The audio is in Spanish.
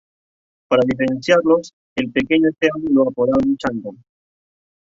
Para diferenciarlos, al pequeño Esteban lo apodaban Chango.